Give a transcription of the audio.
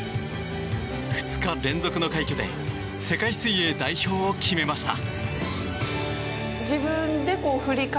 ２日連続の快挙で世界水泳代表を決めました。